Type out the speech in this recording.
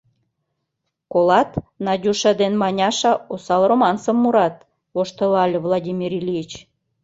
— Колат, Надюша ден Маняша осал романсым мурат, — воштылале Владимир Ильич.